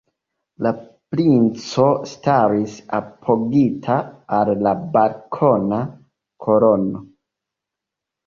La princo staris apogita al la balkona kolono.